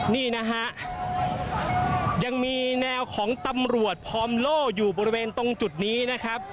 นี่นะฮะยังมีแนวของตำรวจพร้อมโล่อยู่บริเวณตรงจุดนี้นะครับ